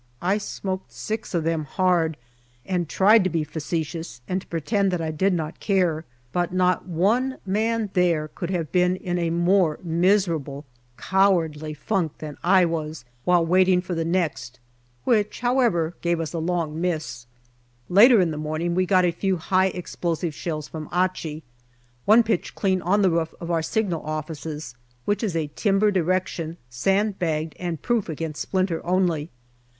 I smoked six of them hard, and tried to be facetious and to pretend that I did not care, but not one man there could have been in a more miserable cowardly JULY 179 funk than I was, while waiting for the next, which, how ever, gave us a long miss. Later in the morning we got a few high explosive shells from Achi. One pitched clean on the roof of our signal offices, which is a timbered erection, sand bagged, and proof against splinter only.